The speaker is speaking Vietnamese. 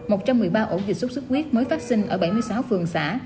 một trăm một mươi ba ổ dịch sốt xuất huyết mới phát sinh ở bảy mươi sáu phường xã